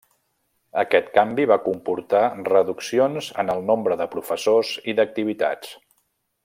Aquest canvi va comportar reduccions en el nombre de professors i d'activitats.